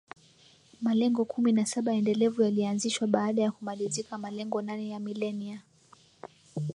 Malengo kumi na saba endelevu yalianzishwa baada ya kumalizika malengo nane ya milenia